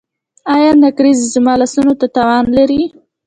ایا نکریزې زما لاسونو ته تاوان لري؟